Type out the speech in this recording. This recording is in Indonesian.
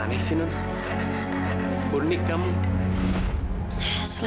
untuk kalimur supaya makanan selamat